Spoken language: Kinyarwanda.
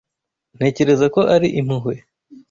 Ntekereza ko ari impuhwe.